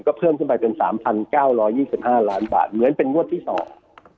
ก็เพิ่มขึ้นไปเป็นสามพันเก้าร้อยยี่สิบห้าล้านบาทเหมือนเป็นงวดที่สอง